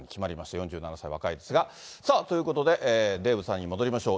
４７歳、若いですが、ということ、デーブさんに戻りましょう。